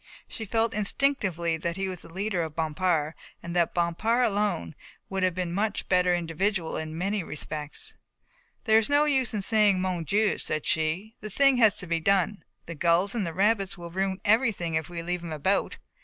She felt instinctively that he was the leader of Bompard and that Bompard alone would have been a much better individual, in many respects. "There is no use in saying 'Mon Dieu,'" said she, "the thing has to be done. The gulls and the rabbits will ruin everything if we leave things about.